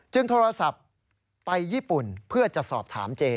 โทรศัพท์ไปญี่ปุ่นเพื่อจะสอบถามเจ